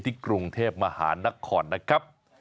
กรุงเทพมหานครนะครับ